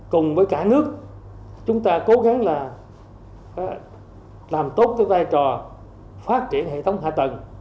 cùng với cả nước chúng ta cố gắng là làm tốt cái vai trò phát triển hệ thống hạ tầng